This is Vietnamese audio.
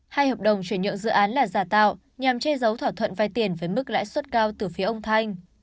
hai hợp đồng chuyển nhượng dự án là giả tạo nhằm che giấu thỏa thuận vay tiền với mức lãi suất cao từ phía ông thanh